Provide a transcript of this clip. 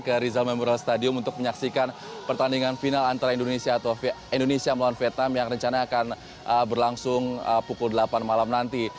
ke rizal memoral stadium untuk menyaksikan pertandingan final antara indonesia melawan vietnam yang rencana akan berlangsung pukul delapan malam nanti